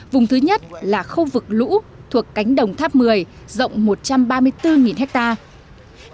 vùng thứ nhất là khu vực lũ thuộc cánh đồng tháp một mươi rộng một trăm ba mươi bốn hectare